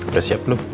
udah siap lu